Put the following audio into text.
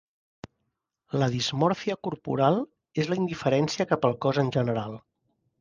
La dismòrfia corporal és la indiferència cap al cos en general.